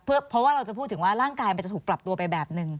เพราะว่าเราจะพูดถึงว่าร่างกายมันจะถูกปรับตัวไปแบบหนึ่ง